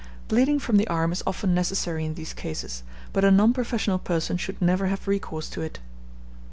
Bleeding from the arm is often necessary in these cases, but a non professional person should never have recourse to it.